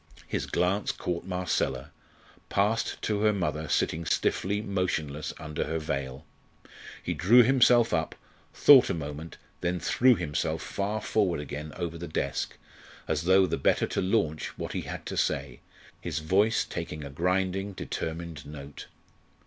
His glance caught Marcella, passed to her mother sitting stiffly motionless under her veil. He drew himself up, thought a moment, then threw himself far forward again over the desk as though the better to launch what he had to say, his voice taking a grinding determined note.